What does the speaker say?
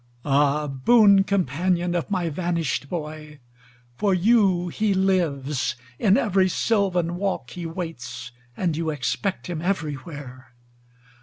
THE FALLEN 379 Ah, boon companion of my vanished boy, For you he lives ; in every sylvan walk He waits ; and you expect him everywhere.